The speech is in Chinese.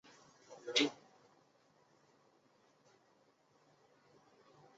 墨脱吊石苣苔为苦苣苔科吊石苣苔属下的一个种。